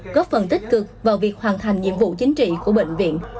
góp phần tích cực vào việc hoàn thành nhiệm vụ chính trị của bệnh viện